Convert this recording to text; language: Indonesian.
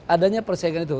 adanya persaingan itu